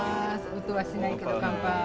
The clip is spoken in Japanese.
音はしないけど乾杯。